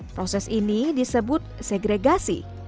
proses ini disebut segregasi